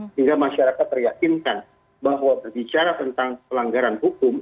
sehingga masyarakat peryatinkan bahwa berbicara tentang pelanggaran hukum